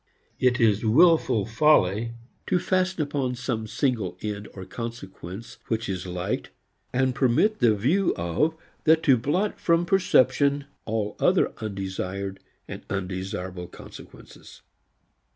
It is wilful folly to fasten upon some single end or consequence which is liked, and permit the view of that to blot from perception all other undesired and undesirable consequences.